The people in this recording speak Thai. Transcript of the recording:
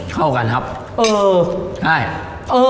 เข้ากันครับเออใช่เออ